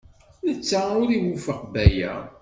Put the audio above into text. Netta ur iwufeq Baya.